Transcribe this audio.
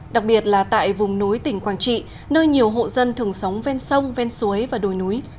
đặc biệt là tại vùng núi tỉnh quảng trị nơi nhiều hộ dân thường sống ven sông ven suối và đồi núi